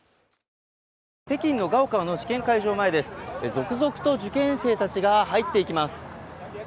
北京の高考の試験会場前です続々と受験生たちが入っていきます。